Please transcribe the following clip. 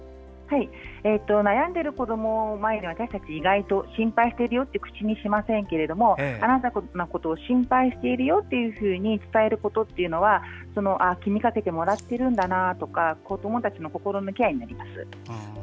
悩んでいる子どもの前で私たちは意外と心配しているよと口にしませんけどあなたのことを心配しているよと伝えることは気にかけてもらっているんだとか子どもたちの心のケアになります。